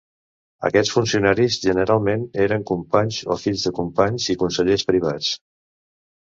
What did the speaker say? Aquests funcionaris generalment eren companys o fills de companys i consellers privats.